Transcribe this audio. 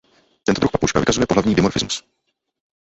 Tento druh papouška vykazuje pohlavní dimorfismus.